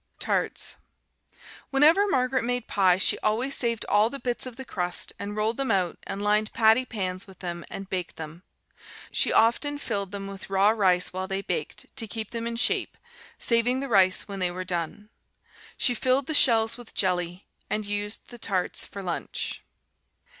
Tarts Whenever Margaret made pie she always saved all the bits of the crust and rolled them out, and lined patty pans with them and baked them. She often filled them with raw rice while they baked, to keep them in shape, saving the rice when they were done. She filled the shells with jelly, and used the tarts for lunch.